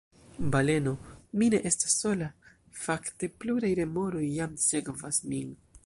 Baleno: "Mi ne estas sola. Fakte, pluraj remoroj jam sekvas min."